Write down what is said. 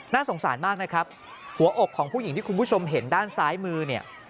สงสารมากนะครับหัวอกของผู้หญิงที่คุณผู้ชมเห็นด้านซ้ายมือเนี่ย